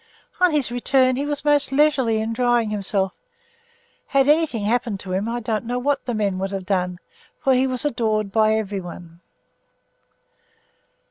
On his return he was most leisurely in drying himself. Had anything happened to him I don't know what the men would have done, for he was adored by everyone.